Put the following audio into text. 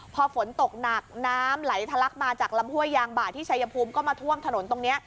พอฝนตกหนักน้ำไหลทะลักมาจากลำห้วยยางบ่าที่ชายภูมิก็มาท่วมถนนตรงนี้